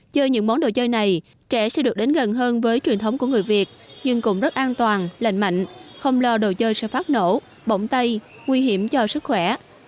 chơi những món đồ chơi này trẻ sẽ được đến gần hơn với truyền thống của người việt nhưng cũng rất an toàn lành mạnh không lo đồ chơi sẽ phát nổ bổng tay nguy hiểm cho sức khỏe